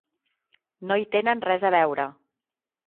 No hi tenen res a veure.